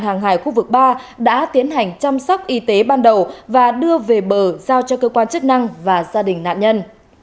hàng hải khu vực ba đã tiến hành chăm sóc y tế ban đầu và đưa về bờ giao cho cơ quan chức năng và gia đình nạn nhân